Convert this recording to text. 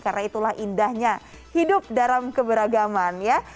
karena itulah indahnya hidup dalam keberagaman ya